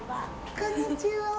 こんにちは。